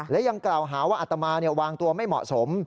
และยังกล่าวหาว่าอัตมาวางตัวไม่เหมาะสม